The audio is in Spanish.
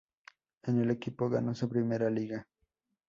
En el equipo ganó su primera Liga.